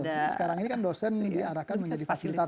sekarang ini kan dosen diarahkan menjadi fasilitator